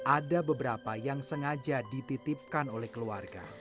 ada beberapa yang sengaja dititipkan oleh keluarga